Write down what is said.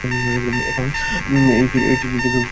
এই কিছু যে কি সেটাও নিশ্চিত না।